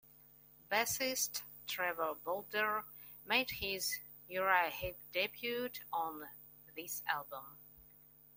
Bassist Trevor Bolder made his Uriah Heep debut on this album.